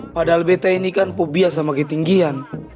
padahal bt ini kan pobia sama ketinggian